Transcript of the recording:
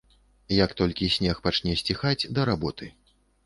Як толькі снег пачне сціхаць, да работы!